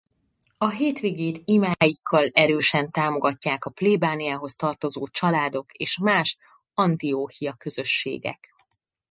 A hétvégét imáikkal erősen támogatják a plébániához tartozó családok és más Antióchia-közösségek.